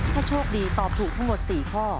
ถ้าโชคดีตอบถูกทั้งหมด๔ข้อ